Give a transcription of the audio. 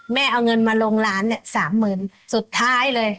เอาเงินมาลงร้านเนี่ยสามหมื่นสุดท้ายเลย